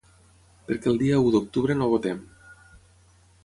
Perquè el dia u d’octubre no votem.